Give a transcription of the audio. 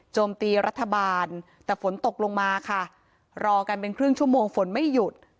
ตีรัฐบาลแต่ฝนตกลงมาค่ะรอกันเป็นครึ่งชั่วโมงฝนไม่หยุด